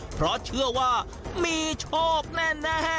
เพราะเชื่อว่ามีโชคแน่